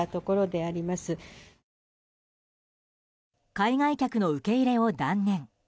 海外客の受け入れを断念。